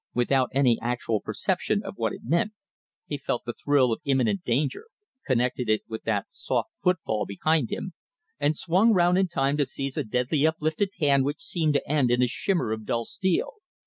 Without any actual perception of what it might mean, he felt the thrill of imminent danger, connected it with that soft footfall behind him, and swung round in time to seize a deadly uplifted hand which seemed to end in a shimmer of dull steel.